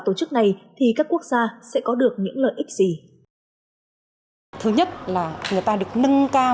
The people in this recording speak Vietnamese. tổ chức này thì các quốc gia sẽ có được những lợi ích gì thứ nhất là người ta được nâng cao